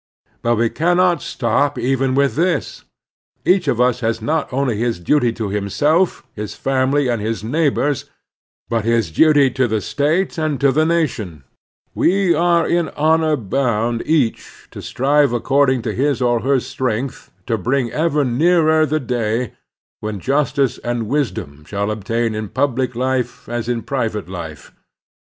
But we cannot stop even with this. Each of us has not only his duty to himself, his family, and his neighbors, but his duty to the 346 The Strenuous Life State and to the nation. We are in honor botind each to strive according to his or her strength to bring ever nearer the day when justice and wis dom shall obtain in public life as in private life.